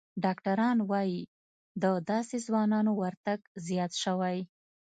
ډاکتران وايي، د داسې ځوانانو ورتګ زیات شوی